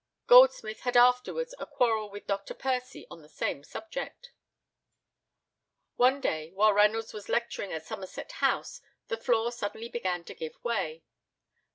Goldsmith had afterwards a quarrel with Dr. Percy on the same subject. One day, while Reynolds was lecturing at Somerset House, the floor suddenly began to give way.